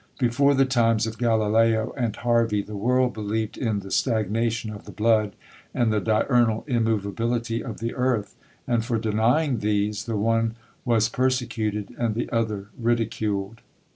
Before the times of Galileo and Harvey the world believed in the stagnation of the blood, and the diurnal immovability of the earth; and for denying these the one was persecuted and the other ridiculed.